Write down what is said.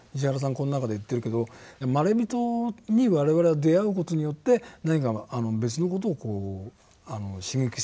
この中で言ってるけどまれびとに我々は出会う事によって何かが別の事を刺激される。